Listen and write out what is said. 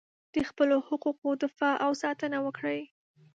د خپلو حقونو دفاع او ساتنه وکړئ.